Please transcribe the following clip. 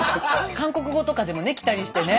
韓国語とかでもね来たりしてね。